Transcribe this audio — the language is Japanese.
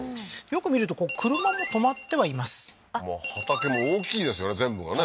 よく見ると、車もとまってはいます。畑も大きいですよね、全部がね。